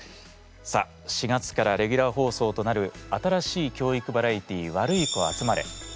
さあ４月からレギュラー放送となる新しい教育バラエティー「ワルイコあつまれ」。